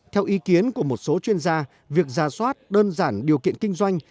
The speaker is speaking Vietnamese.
theo ý kiến của một số chuyên gia việc giả soát đơn giản điều kiện kinh doanh